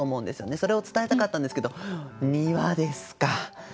それを伝えたかったんですけど「庭」ですかすてきです。